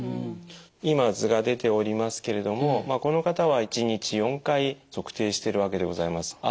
今図が出ておりますけれどもこの方は１日４回測定しているわけでございます。